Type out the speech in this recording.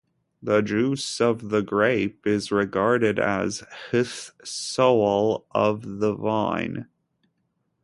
The juice of the grape is regarded as hte soul of the vine.